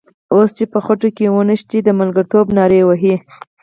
اوس چې په خټو کې ونښتې د ملګرتوب نارې وهې.